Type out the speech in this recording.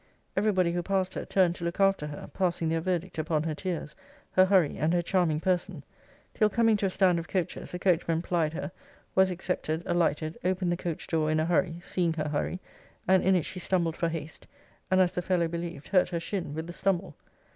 Every body who passed her, turned to look after her; passing their verdict upon her tears, her hurry, and her charming person; till coming to a stand of coaches, a coachman plied her; was accepted; alighted; opened the coach door in a hurry, seeing her hurry; and in it she stumbled for haste; and, as the fellow believed, hurt her shin with the stumble.'